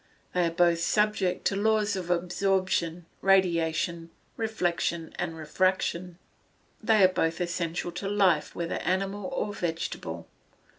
They are both subject to laws of absorption, radiation, reflection, and refraction. They are both essential to life, whether animal or vegetable.